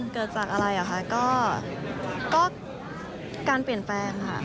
เกิดจากอะไรอ่ะคะก็การเปลี่ยนแปลงค่ะ